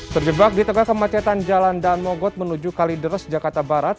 terjebak di tengah kemacetan jalan dan mogot menuju kalideres jakarta barat